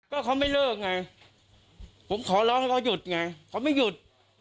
ก็เขาไม่เลิกไงผมขอร้องให้เขาหยุดไงเขาไม่หยุด